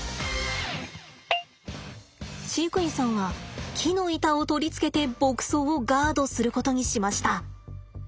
飼育員さんは木の板を取り付けて牧草をガードすることにしました。